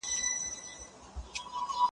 بې تميزه امريكا ده